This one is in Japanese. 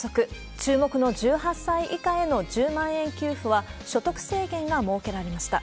注目の１８歳以下への１０万円給付は所得制限が設けられました。